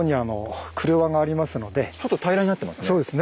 ちょっと平らになってますね。